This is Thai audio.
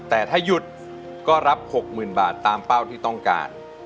แต่ถ้าหยุดก็รับ๖๐๐๐บาทตามเป้าที่ต้องการ